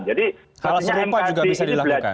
jadi hal serupa juga bisa dilakukan